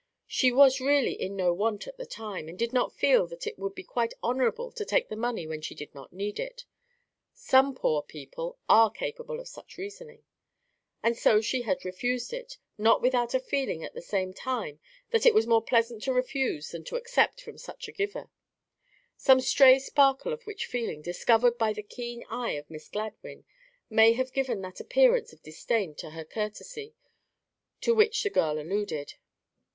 She was really in no want at the time, and did not feel that it would be quite honourable to take the money when she did not need it—(some poor people ARE capable of such reasoning)—and so had refused it, not without a feeling at the same time that it was more pleasant to refuse than to accept from such a giver; some stray sparkle of which feeling, discovered by the keen eye of Miss Gladwyn, may have given that appearance of disdain to her courtesy to which the girl alluded.